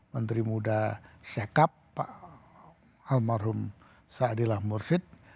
menteri muda syakap pak almarhum saadillah mursid